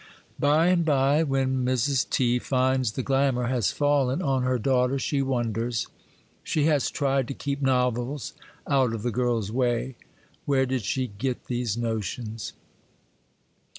By and by, when Mrs. T. finds the glamour has fallen on her daughter, she wonders; she has 'tried to keep novels out of the girl's way,—where did she get these notions?